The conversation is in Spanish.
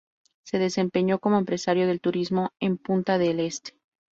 Se desempeñó como empresario del turismo en Punta del Este.